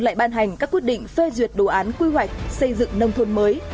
lại ban hành các quyết định phê duyệt đồ án quy hoạch xây dựng nông thôn mới